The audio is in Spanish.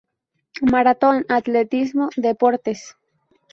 Maratón Atletismo Deportes